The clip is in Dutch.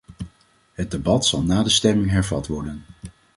Het debat zal na de stemming hervat worden.